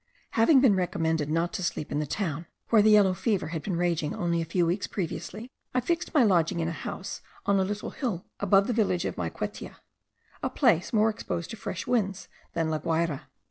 Having been recommended not to sleep in the town, where the yellow fever had been raging only a few weeks previously, I fixed my lodging in a house on a little hill, above the village of Maiquetia, a place more exposed to fresh winds than La Guayra.